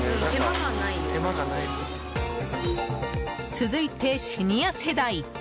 続いて、シニア世代。